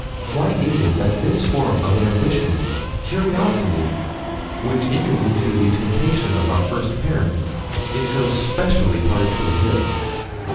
Why is it that this form of ambition curiosity which entered into the temptation of our first parent, is so specially hard to resist?